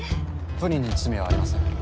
プリンに罪はありません。